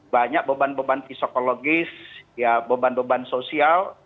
banyak beban beban psikologis beban beban sosial